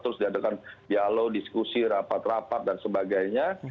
terus diadakan dialog diskusi rapat rapat dan sebagainya